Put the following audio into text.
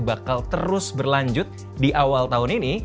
bakal terus berlanjut di awal tahun ini